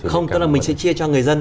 không tức là mình sẽ chia cho người dân